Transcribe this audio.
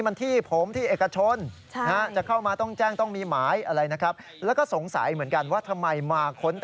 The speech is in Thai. มันมีตั้ง๑๐กว่าเป้าหมาย